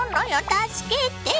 助けて！